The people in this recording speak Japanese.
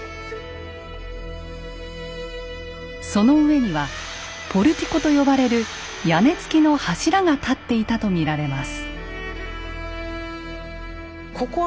その上には「ポルティコ」と呼ばれる屋根付きの柱が立っていたと見られます。